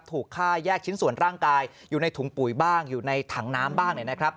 ถูกฆ่าแยกชิ้นส่วนร่างกายอยู่ในถุงปุ๋ยบ้างอยู่ในถังน้ำบ้างเนี่ยนะครับ